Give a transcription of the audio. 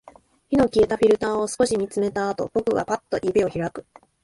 火の消えたフィルターを少し見つめたあと、僕はパッと指を開く